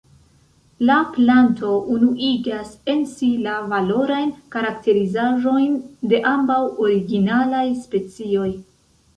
La planto unuigas en si la valorajn karakterizaĵojn de ambaŭ originalaj specioj.